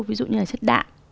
ví dụ như là chất đạ